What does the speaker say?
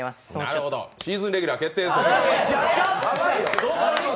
なるほど、シーズンレギュラー決定です。